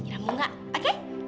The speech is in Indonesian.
ya munga oke